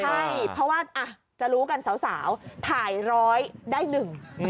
ใช่เพราะว่าจะรู้กันสาวถ่ายร้อยได้หนึ่ง